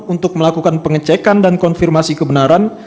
untuk melakukan pengecekan dan konfirmasi kebenaran